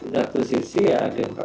satu sisi ya ada